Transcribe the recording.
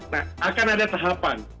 nah akan ada tahapan